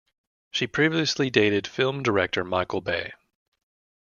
She previously dated film director Michael Bay.